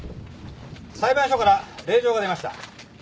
裁判所から令状が出ました。